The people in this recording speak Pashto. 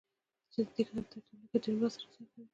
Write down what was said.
چي ددې کتاب په ترتيبولو کې يې ډېره مرسته راسره کړې ده.